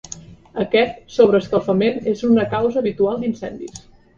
Aquest sobreescalfament és una causa habitual d'incendis.